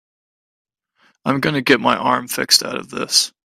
I'm gonna get my arm fixed out of this.